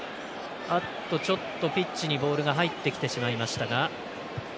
ピッチにボールが入ってきてしまいましたが。